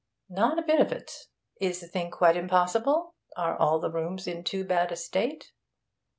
'Not a bit of it. Is the thing quite impossible? Are all the rooms in too bad a state?'